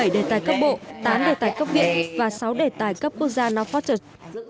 bảy đề tài cấp bộ tám đề tài cấp viện và sáu đề tài cấp quốc gia nó phát triển